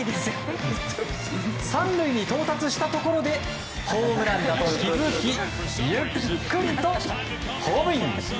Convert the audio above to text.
３塁に到達したところでホームランだと気づきゆっくりとホームイン。